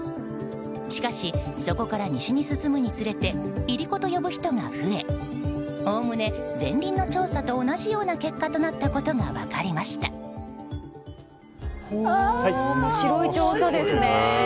しかしそこから西に進むにつれていりこと呼ぶ人が増えおおむね、ゼンリンの調査と同じような結果となったことが面白い調査ですね。